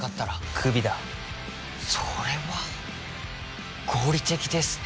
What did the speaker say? クビだそれは合理的ですね